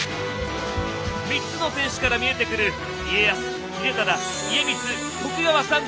３つの天守から見えてくる家康・秀忠・家光